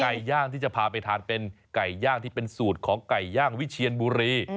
ย่างที่จะพาไปทานเป็นไก่ย่างที่เป็นสูตรของไก่ย่างวิเชียนบุรี